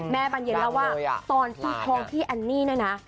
แม่บานเย็นเล่าว่าตอนพี่พองพี่แอนนี่นะนะ